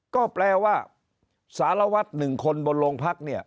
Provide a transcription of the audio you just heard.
ก็แปลว่าสารวัตร๑คนบนโรงพักเนี่ย